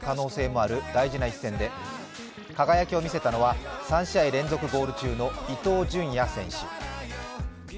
負ければ３位転落の可能性もある大事な一戦で輝きを見せたのは３試合連続ゴールの中の伊東純也選手。